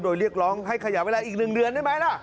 โดยเรียกร้องให้ขยายเวลาอีก๑เดือนได้ไหมล่ะ